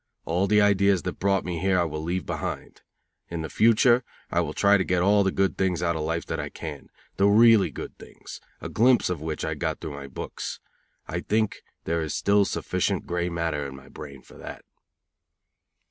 All the ideas that brought me here I will leave behind. In the future I will try to get all the good things out of life that I can the really good things, a glimpse of which I got through my books. I think there is still sufficient grey matter in my brain for that."